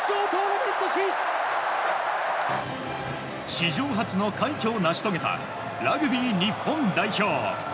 史上初の快挙を成し遂げたラグビー日本代表。